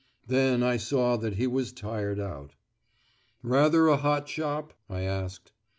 Then I saw that he was tired out. "Rather a hot shop?" I asked.